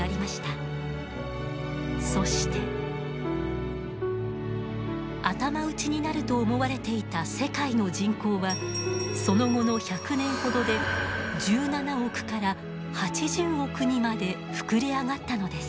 そして頭打ちになると思われていた世界の人口はその後の１００年ほどで１７億から８０億にまで膨れ上がったのです。